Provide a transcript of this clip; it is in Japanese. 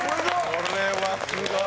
これはすごい。